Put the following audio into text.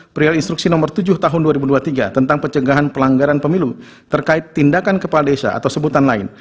perihal instruksi nomor tujuh tahun dua ribu dua puluh tiga tentang pencegahan pelanggaran pemilu terkait tindakan kepala desa atau sebutan lain